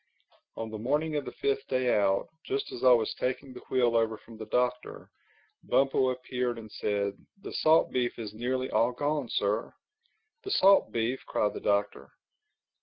On the morning of the fifth day out, just as I was taking the wheel over from the Doctor, Bumpo appeared and said, "The salt beef is nearly all gone, Sir." "The salt beef!" cried the Doctor.